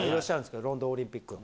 ロンドンオリンピックの。